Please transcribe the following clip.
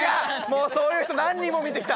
もうそういう人何人も見てきた。